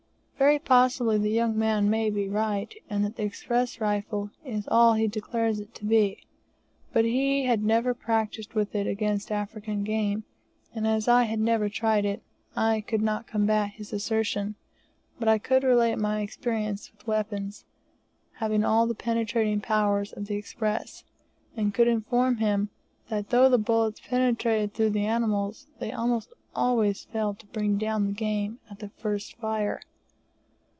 Very possibly the young man may be right, and that the "Express" rifle is all he declares it to be, but he had never practised with it against African game, and as I had never tried it, I could not combat his assertion: but I could relate my experiences with weapons, having all the penetrating powers of the "Express," and could inform him that though the bullets penetrated through the animals, they almost always failed to bring down the game at the first fire.